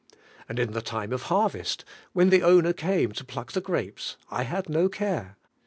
And in the t of har vest, when the owner came to pluck the grapes, I had no care.